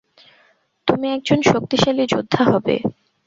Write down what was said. তুমি একজন শক্তিশালী যোদ্ধা হবে।